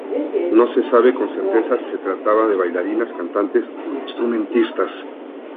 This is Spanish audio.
No se sabe con certeza si se trataban de bailarinas, cantantes o instrumentistas.